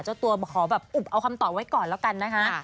เจ้าตัวขอแบบอุบเอาคำตอบไว้ก่อนแล้วกันนะคะ